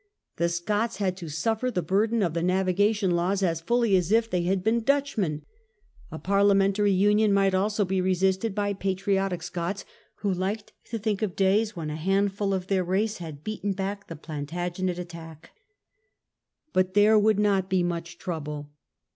The Scots had to suffer the burden of the navigation laws as fully as if they had been Dutch men. A parliamentary union might also be resisted by patriotic Scots, who liked to think of days when a handful of their race had beaten back the Plantagenet attack. But here there would not be much trouble.